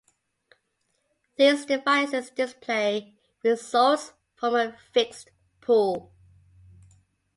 These devices display results from a fixed pool.